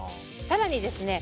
更にですね